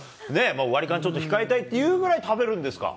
割り勘ちょっと控えたいと言うぐらい食べるんですか？